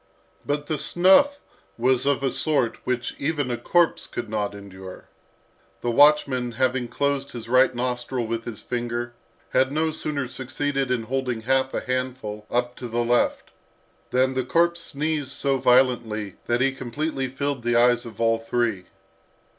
But the snuff was of a sort which even a corpse could not endure. The watchman having closed his right nostril with his finger, had no sooner succeeded in holding half a handful up to the left, than the corpse sneezed so violently that he completely filled the eyes of all three.